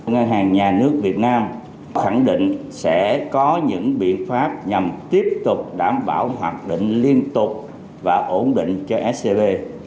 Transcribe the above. ngân hàng nhà nước việt nam khẳng định sẽ có những biện pháp nhằm tiếp tục đảm bảo hoạt định liên tục và ổn định cho scb